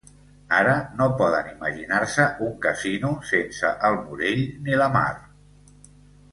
Ara no poden imaginar-se un casino sense el Morell ni la Mar.